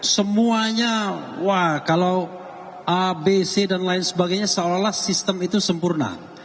semuanya wah kalau a b c dan lain sebagainya seolah olah sistem itu sempurna